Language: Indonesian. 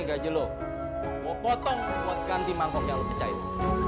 nih gaji lo mau potong buat ganti mangkok yang lo kecahin